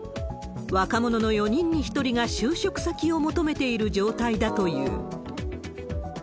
若者の４人に１人が就職先を求めている状態だという。